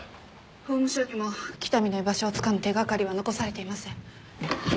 法務省にも北見の居場所をつかむ手掛かりは残されていません。